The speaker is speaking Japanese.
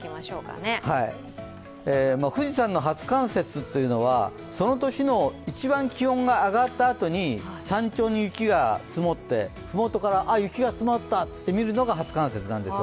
富士山の初冠雪というのは、その年の一番気温が上がったあとに山頂に雪が積もって、ふもとから雪が積もったと見るのが初冠雪なんです。